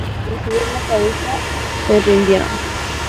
Al recibir la cabeza, se rindieron.